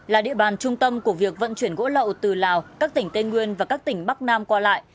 là địa bàn trung tâm của việc vận chuyển gỗ lậu từ lào các tỉnh tây nguyên và các tỉnh bắc nam qua lại